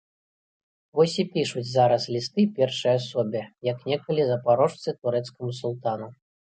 Вось і пішуць зараз лісты першай асобе, як некалі запарожцы турэцкаму султану.